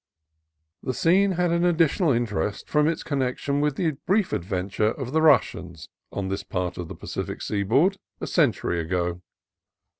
The scene had an additional interest from its connection with the brief adventure of the Russians on this part of the Pacific seaboard, a century ago.